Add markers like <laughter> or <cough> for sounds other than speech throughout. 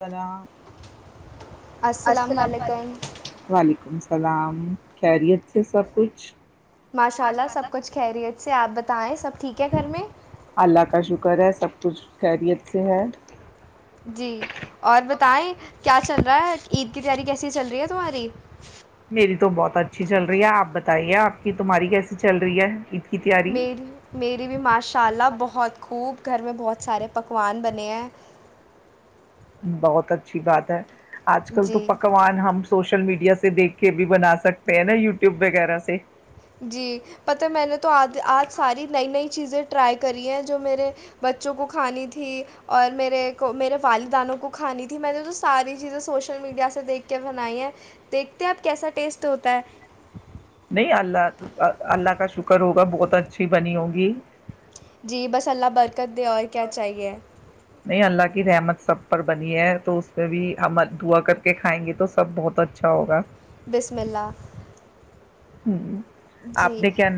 سل السلام علیکم وعلیکم وعلیکم السلام خریت سے سب کچھ ماشاء اللہ سب کچھ خریت سے آپ بتائیں سب ٹھیک ہے گھر میں اللہ کا شکر ہے سب کچھ خیریت سے ہے جی اور بتائیں کیا چل رہا ہے کی عید تیاری کیسی چل رہی ہے تمہاری میری تو بہت اچھی چل رہی ہے آپ بتائیے آپ کی تمہاری کیسی چل رہی ہے کی تیاری میری میری بھی ماشاء اللہ بہت خوب گھر میں بہت سارے پکوان بنے ہیں بہت اچھی بات ہے آج کل تو جی پکوان ہم سوشل میڈیا سے دیکھ کے بھی بنا سکتے ہیں نا یوٹیوب وغیرہ سے جی پت میں نے تو آج آج ساری نئی نئی چیزیں ٹرائی کری ہیں جو میرے بچوں کو کھانی تھی اور میرے کو میرے والدانوں کو کھانی تھی میں نے تو ساری چیزیں سوشل میڈیا سے دیکھ کے بنائی ہیں دیکھتے اب کیسا ٹیسٹ ہوتا ہے نہیں اللہ اللہ کا شکر ہوگا بہت اچھی بنی ہوگی جی بس اللہ برکت دے اور کیا چاہیے نہیں اللہ کی رحمت سب پر بنی ہے تو اس میں بھی ہم دھوا کر کے کھائیں گے تو سب بہت اچھا ہوگا بسملہ ہوں آپ نے کیا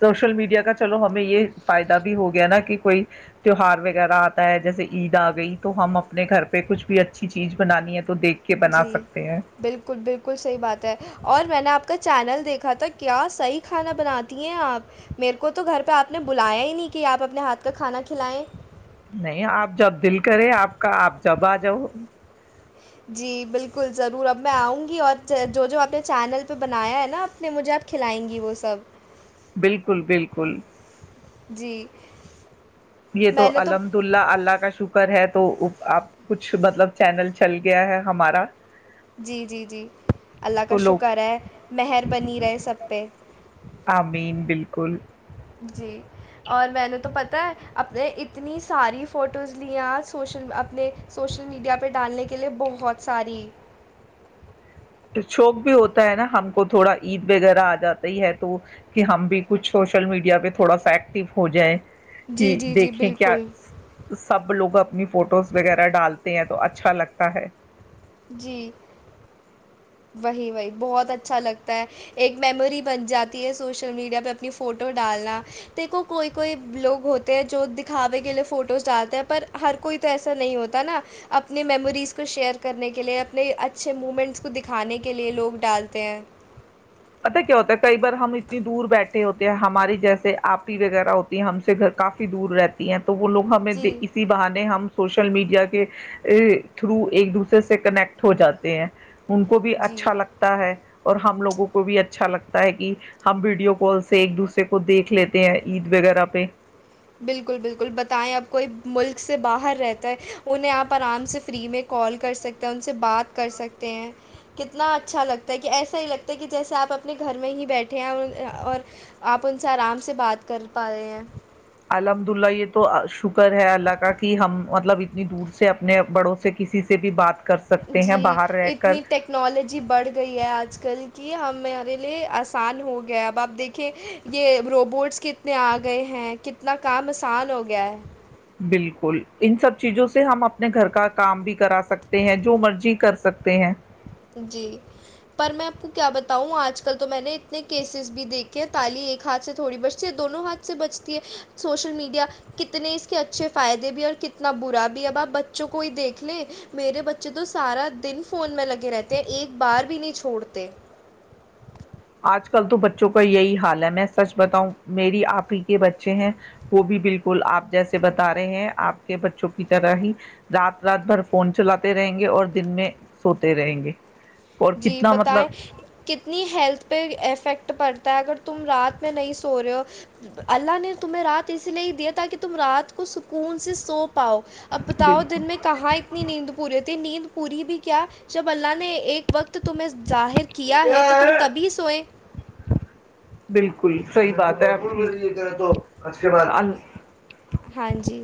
سوشل میڈیا انڈیا کا چلو ہمیں یہ فائدہ بھی ہو گیا نا کہ کوئی تیوہار وغیرہ آتا ہے جیسے عید آ گئی تو ہم اپنے گھر پہ کچھ بھی اچھی چیز بنانی ہے تو دیکھ کے بنا جی سکتے ہیں بالکل بالکل صحیح بات ہے اور میں نے آپ آ کا چینل دیکھا تھا کیا صحیح کھانا بناتی ہیں آپ میرے کو تو گھر پہ آپ نے بلایا ہی نہیں کہ آپ اپنے ہاتھ کا کھانا کھلائیں نہیں آپ جب دل کرے آپ کا آپ جب آ جاؤ جی بالکل ضرور اب میں آؤں گی اور جو جو آپ نے چینل پہ بنایا ہے نا اپ نے مجھے آپ کھلائیں گی وہ سب بالکل بالکل جی یہ میں تو نے الحمد اللہ اللہ کا شکر ہے تو آپ کچھ مطلب چینل چل گیا ہے ہمارا جی جی جی اللہ کا تو لوگ شکر ہے مہر بنی رہے سب پہ کن جی اور میں نے تو پتہ ہے اپ نے اتنی ساری فوٹوز لیا سوشل اپنے سوشل میڈیا پہ ڈالنے کے لیے بہت ساری شوق بھی ہوتا ہے نا ہم کو تھوڑا عید وغیرہ آ جاتا ہی ہے تو کہ ہم بھی کچھ سوشل میڈیا پہ تھوڑا سٹو ہو جائےیں جی کہ جی جی دیکھیں کیا بالکل سب لوگ اپنی فوٹوز وغیرہ ڈالتے ہیں تو اچھا لگتا ہے جی وہی وہی بہت اچھا لگتا ہے ایک میموری بن جاتی ہے سوشل میڈیا پہ اپنی فوٹو ڈالنا دیکھو کوئی کوئی لوگ ہوتے ہیں جو دکھاوے کے لیے فوٹوز ڈالتے ہیں پر ہر کوئی تو ایسا نہیں ہوتا نا اپنی میموریز کو شیئر کرنے کے لیے اپنے اچھے مومنٹس کو دکھانے کے لیے لوگ ڈالتے ہیں پتا کیا ہوتا ہے کئی بار ہم اتنی دور بیٹھے ہوتے ہیں ہماری جیسے آپ ہی وغیرہ ہوتی ہیں ہم سے گھر کافی دور رہتی ہیں تو وہ لوگ ہمیں جی اسی بہانے ہم سوشل میڈیا کے تھرو ایک دوسرے سے کنیکٹ ہو جاتے ہیں ان کو بھی جی اچھا لگتا ہے اور ہم لوگوں کو کو بھی اچھا لگتا ہے کہ ہم ویڈیو کال سے ایک دوسرے کو دیکھ لیتے ہیں عید وغیرہ پہ بالکل بالکل بتائیں اب کوئی ملک سے باہر رہتا ہے انہیں آپ آرام سے فری میں کال کر سکتے ہیں ان سے بات کر سکتے ہیں کتنا اچھا لگتا ہے کہ ایسا ہی لگتا ہے کہ جیسے آپ اپنے گھر میں ہی بیٹھے ہیں اور آپ ان سے آرام سے بات کر پا رہے ہیں الحمد للہ یہ تو شکر ہے اللہ کا کہ ہم مطلب اتنی دور سے اپنے بڑوں سے کسی سے بھی بات کر سکتے ہیں جی باہر رہ کر اتنی ٹیکنالوجی بڑھ گئی ہے آج کل کہ ہم مارے لیے آسان ہو گیا اب آپ دیکھیں یہ روبوٹس کتنے آ گئے ہیں کتنا کام آسان ہو گیا ہے بالکل ان سب چیزوں سے ہم اپنے گھر کا کام بھی کرا سکتے ہیں جو مرضی کر سکتے ہیں جی پر میں آپ کو کیا بتاؤں آج کل تو میں نے اتنے کیسز بھی دیکھے ہیں تالی ایک ہاتھ سے تھوڑی بچتی ہے دونوں ہاتھ سے بچتی ہے سوشل میڈیا کتنے اس کے اچھے فائدے بھی اور کتنا برا بھی اب آپ بچوں کو ہی دیکھ لیں میرے بچے تو سارا دن فون میں لگے رہتے ایک بار بھی نہیں چھوڑتے آج کل تو بچوں کا یہی حال ہے میں سچ بتاؤں میری آپ ہی کے بچے ہیں وہ بھی بالکل آپ جیسے بتا رہے ہیں آپ کے بچوں کی طرح ہی رات رات بھر فون چلاتے رہیں گے اور دن میں سوتے رہیں گے اور جی کتنا مطلب بتائیں کتنی ہیلتھ پہ افیکٹ پڑتا ہے اگر تم رات میں نہیں سو رہے ہو اللہ نے تمہیں رات اسی لیے ہی دیا تاکہ تم رات کو سکون سے سوپ پاؤ اب بتاؤ بالکل دن میں کہاں اتنی نیند پوری تھی نیند پوری بھی کیا جب اللہ نے ایک وقت تمہیں ظاہر کیا ہے تو تم تبھی سوئ الکل صحی بات ہے توچ کے ب <inaudible> ہاں جی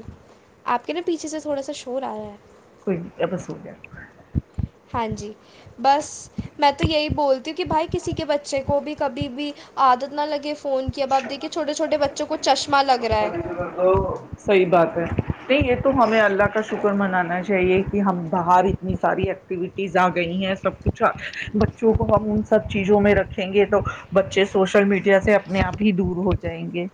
آپ کے نا پیچھے سے تھوڑا سا شور آیاا ہے <unintelligible> کوئی نہیں اپ سو <inaudible> ہاں جی بس میں تو یہی بولتی ہوں کہ بھائی کسی کے بچے کو بھی کبھی بھی عادت نہ لگے فون کیا ب آپ دیکھیے چھوٹے چھوٹے بچوں کو چشمہ لگ رہا ہے <inaudible> صحیح بات ہے نہیں یہ تو ہمیں اللہ کا شکر منانا چاہیے کہ ہم باہر اتنی ساری ایکٹیویٹیز آ گئی ہیں سب کچھ بچوں کو ہم ان سب چیزوں میں رکھیں گے تو بچے سوشل میڈیا سے <inaudible> اپنے آپ ہی دور ہو جائیں گے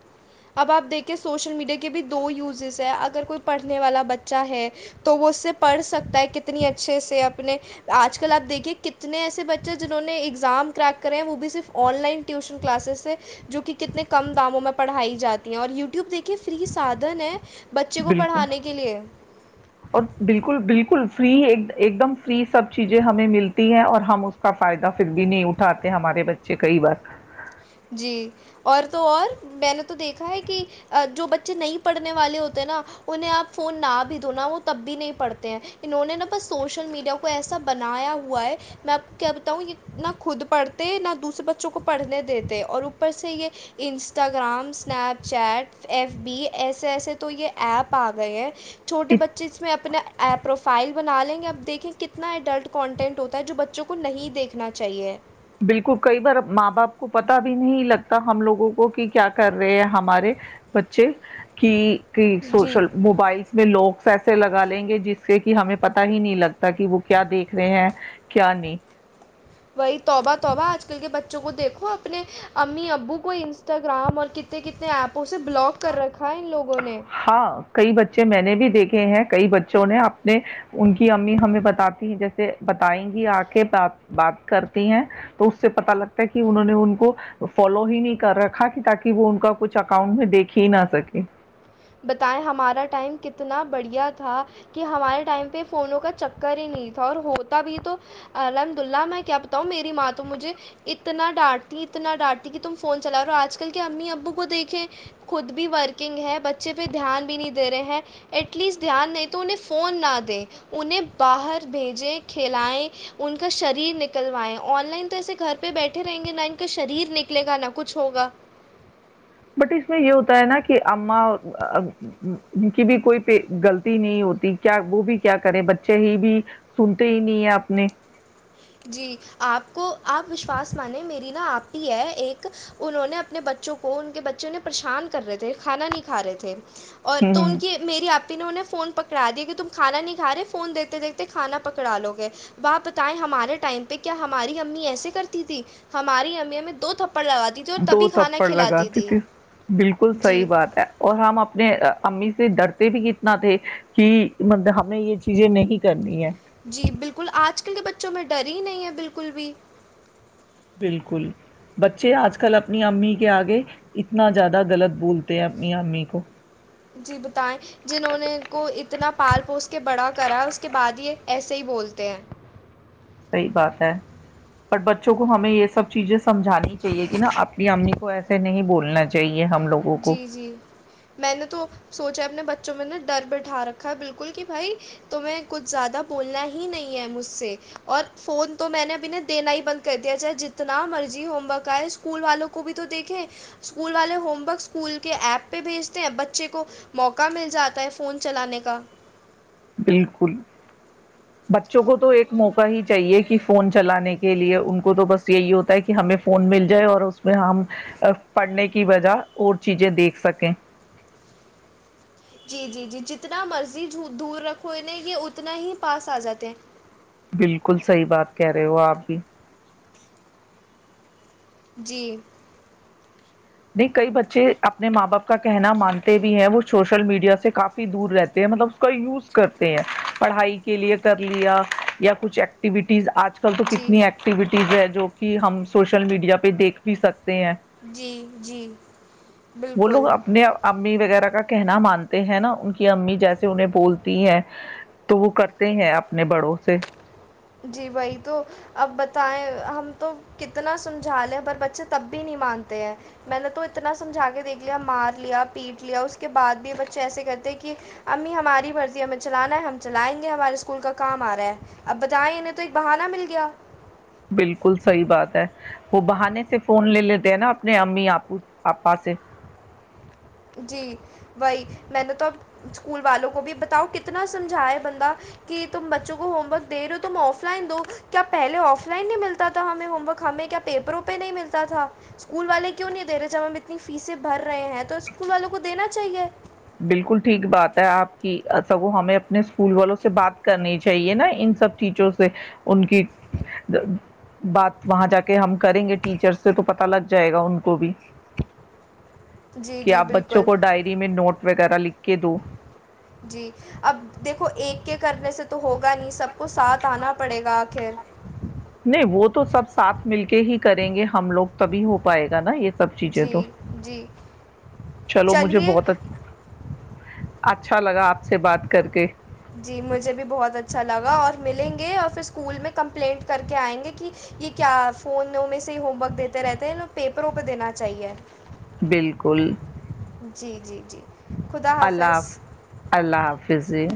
اب آپ دیکھے سوشل میڈیا کے بھی دو یوزز ہیں اگر کوئی پڑھنے والا بچہ ہے تو وہ اس سے پڑھ سکتا ہے کتنی اچھے سے اپنے آج کل آپ دیکھیے کتنے ایسے بچے جنہوں نے ایگزام کریک کرے ہیں وہ بھی صرف آن لائن ٹیوشن کلاسز سے جو کہ کتنے کم داموں میں پڑھائی جاتی ہیں اور ی ٹیوب دیک فری سادھن ہیں بچوں کو بالکل پڑھانے کے لیئے اور بالکل بالکل فری ایک دم فری سب چیزیں ہمیں ملتی ہیں اور ہم اس کا فائدہ پھر بھی نہیں اٹھاتے ہمارے بچے کئی بار جی اور تو اور میں نے تو دیکھا ہے کہ جو بچے نہیں پڑھنے والے ہوتے نا انہیں آپ فون نہ بھی دنا وہ تب بھی نہیں پڑھتے ہیں انہوں نے نا بس سوشل میڈیا کو ایسا بنایا ہوا ہے میں آپ کیا بتاؤں یہ نہ خود پڑھتے نہ دوسرے بچوں کو پڑھنے دیتے اور اوپر سے یہ Instagram Snapchat F B ایسے ایسے تو یہ ایپ آ گئے ہیں چھوٹے بچے اس میں اپنا پروفائل بنا لیں گے اب دیکھیں کتنا اڈلٹ کانٹینٹ ہوتا ہے جو بچوں کو نہیں دیکھنا چاہیے بالکل کئی بار ماں باپ کو پتا بھی نہیں لگتا ہم لوگوں کو کہ کیا کر رہے ہیں ہمارے بچے کہ جی سوشل موبائلس میں لوگ ایسے لگا لیں گے جس سے کہ ہمیں پتا ہی نہیں لگتا کہ وہ کیا دیکھ رہے ہیں کیا نہیں وہی توبہ توبہ آج کل کے بچوں کو دیکھو اپنے امی ابو کو انسٹاگرام اور کتنے کتنے ایپ ہاں کئی بچے میں نے بھی دیکھے ہیں کئی بچوں نے اپنے ان کی امی ہمیں بتاتی ہیں جیسے بتائیں گی آ کے بات بات کرتی ہیں تو اس سے پتا لگتا ہے کہ انہوں نے ان کو فالو ہی نہیں کر رکھا کہ تاکہ وہ ان کا کچھ اکاؤنٹ میں دیکھ کھی نہ سکے بتائیں ہمارا ٹائم کتنا بڑھیا تھا کہ ہمارے ٹائم پہ فونوں کا چکر ہی نہیں تھا اور ہوتا بھی تو الحمد اللہ میں کیا بتاؤں میری ماں تو مجھے اتنا ڈانٹتی اتنا ڈانٹتی کہ تم فون چلا رہے ہو آج کل کے امی ابو کو دیکھیں خود بھی ورکنگ ہے بچ بچے پہ دھیان بھی نہیں دے رہے ہیں ایٹ لیسٹ دھیان نہیں تو انہیں فون نہ دیں انہیں باہر بھیجیں کھلائیں ان کا شریر نکلوائیں آن لائن تو ایسے گھر پہ بیٹھے رہیں گے نہ ان کا شریر نکلے گا نہ کچھ ہوگا بٹ اس میں یہ ہوتا ہے نا کہ اا ان کی بھی کوئی پ غلط نہیں ہوتی کیا وہ بھی کیا کریں بچے ہی بھی سنتے ہی نہیں ہیں اپنے جی آپ کو آپ وشواس مانیں میری نہا آپ ہے ایک انہوں نے اپنے بچوں کو ان کے بچوں نے پریشان کر رہے تھے کھانا نہیں کھا رہے تھے اور ہ تو ان کی میری آپ نے انہیں فون پکڑا دیا کہ تم کھانا نہیں کھا رہے فون دیتے دیکتے کھا پکڑا لو گے باپ بتائیں ہمارے ٹائم پہ کیا ہماری امی ایسے کرتی تھی ہماری امی ہمیں دو تھھپ دو تھپڑ لگاتی تھی بالکل صحیح جی بات ہے اور ہم اپنے امی سے ڈرتے بھی کتنا تھے کہ مب ہمیں یہ چیزیں نہیں کرنی ہے جی بالکل آج کل کے بچوں میں ڈر ہی نہیں ہے بالکل بھی بالکل بچے آج کل اپنی امی کے آگے اتنا زیادہ غلط بولتے ہیں اپنی امی کو جی بتائیں جنہوں نے کو اتنا پال پوس کے بڑا کرا ہے اس کے بعد یہ ایسے ہی بولتے ہیں صحیح بات ہے ب بچوں کو ہمیں یہ سب چیزیں سمجھانی چاہیے کہ نا اپنی امی کو ایسے نہیں بولنا چاہیے ہم لوگوں کو جی جی میں نے تو سوچ اپنے بچوں میں نے ڈر بٹھا رکھا ہے بالکل کہ بھائی تمہیں کچھ زیادہ بولنا ہی نہیں ہے مجھ سے اور فون تو میں نے ابھی نے دینا ہی بند کر دیا چاہے جتنا مرضی ہوم ورک آئے اسکول والوں کو بھی تو دیکھیں اسکول والے ہومورک اسکول کے ایپ پہ بھیجتے ہیں بچے کو موقع مل جاتا ہے فون چلانے کا بالکل بچوں کو تو ایک موقع ہی چاہیے کہ فون چلانے کے لیے ان کو تو بس یہی ہوتا ہے کہ ہمیں فون مل جائے اور اس میں ہم پڑھنے کی وجہ اور چیزیں دیکھ سکیں جی جی جی جتنا مرضی دور رکھو نہیں یہ اتنا ہی پاس آ جاتے ہیں بالکل صحیح بات کہہ رہے ہو آپ بھی جی نہیں کئی بچے اپنے ماں باپ کا کہنا مانتے بھی ہیں وہ سوشل میڈیا سے کافی دور رہتے ہیں مطلب کا یوز کرتے ہیں پڑھائی کی کے لیے کر لیا یا کچھ ایکٹیویٹی ز آج کل تو جی کتنی ایکٹیویٹیز ہے جو کہ ہم سوشل میڈیا پہ دیکھ بھی سکتے ہیں جی جی وہ لوگ بالکل اپنے امی وغیرہ کا کہنا مانتے ہیں نا ان کی امی جیسے انہیں بولتی ہیں تو وہ کرتے ہیں اپنے بڑوں سے جی وہی تو اب بتائیں ہم تو کتنا سمجھا لیں پر بچے تب بھی نہیں مانتے ہیں میں نے تو اتنا سمجھا کے دیکھ لیا مار لیا پیٹ لیا اس کے بعد بھی بچے ایسے کرتے کہ امی ہماری بھرتی ہمیں چلانا ہے ہم چلائیں گے ہمارے اسکول کا کام آ رہا ہے اب جائیں انہیں تو ایک بہانہ مل گیا بالکل صحیح بات ہے وہ بہانے سے فون لے لیتے ہیں نا اپنے امی آپو آپا سے جی وہی میں نے تو اب اسکول والوں کو بھی بتاؤ کتنا سمجھائے بندہ کہ تم بچوں کو ہوم ورک دے رہے ہو تم آف لائن دو کیا پہلے آف لائن نہیں ملتا تھا ہمیں ہوم ورک ہمیں کیا پیپروں پہ نہیں ملتا تھا اسکول والے کیوں نہیں دے رہے جب ہم اتنی فیسیں بھر رہے ہیں تو اسکول والوں کو دینا چاہیے بالکل ٹھیک بات ہے آپ کی سگو ہمیں اپنے اسکول والوں سے بات کرنی چاہیے نا ان سب ٹیچروں سے ان کی بات وہاں جا کے ہم کریں گے ٹیچر سے تو پت لگ جائے گا ان کو بھی جی کہ جی آپ بچوں بالکل کو ڈائری میں نوٹ وغیرہ لکھ کے دو جی اب دیکھو ایک کے کرنے سے تو ہوگا نہیں سب کو ساتھ آنا پڑے گا آخر نہیں وہ تو سب ساتھ مل کے ہی کریں گے ہم لوگ تبھی ہو پائے گا نا یہ سب چیزیں جی تو جی چلو مجھے چلیے بہت اچھا لگا آپ سے بات کر کے جی مجھے بھی بہت اچھا لگا اور ملیں گے اور پھر اسکول میں کمپلینٹ کر کے آئیں گے کہ یہ کیا فون میں سے ہوم ورک دیتے رہتے ہیں پیپروں پہ دینا چاہیے بالکل جی جی جی اللہ حافظ اللہ حافظ فضی